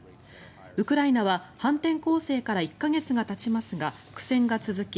ウクライナは反転攻勢から１か月がたちますが苦戦が続き